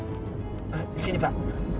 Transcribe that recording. di sini pak